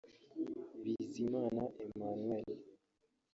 Bizimana Emmanuel